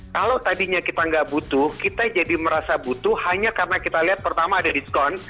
kalau tadinya kita nggak butuh kita jadi merasa butuh hanya karena kita lihat pertama ada diskon